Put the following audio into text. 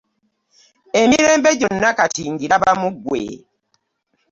Emirembe gyonna kati ngiraba mu ggwe.